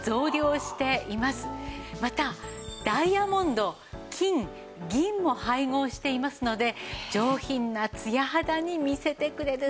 またダイヤモンド金銀も配合していますので上品なツヤ肌に見せてくれるというわけです。